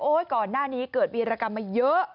ก่อนหน้านี้เกิดวีรกรรมมาเยอะ